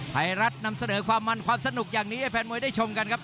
ไทยรัฐนำเสนอความมันความสนุกอย่างนี้ให้แฟนมวยได้ชมกันครับ